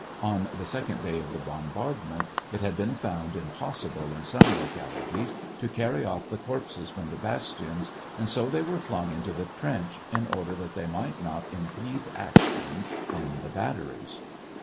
(On the second day of the bombardment, it had been found impossible, in some localities, to carry off the corpses from the bastions, and so they were flung into the trench, in order that they might not impede action in the bat teries.)